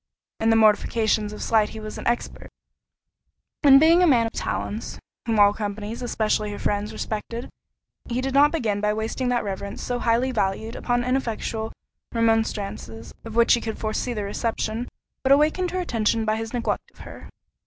In the mortifications of slight he was expert; and being a man of talents, whom all companies, especially her friends, respected, he did not begin by wasting that reverence so highly valued upon ineffectual remonstrances, of which he could foresee the reception, but wakened her attention by his neglect of her.